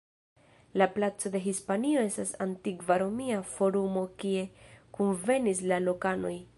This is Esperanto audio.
La placo de Hispanio estas antikva Romia Forumo kie kunvenis la lokanoj.